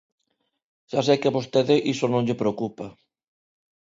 Xa sei que a vostede iso non lle preocupa.